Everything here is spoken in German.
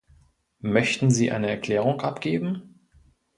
Möchten Sie eine Erklärung abgeben?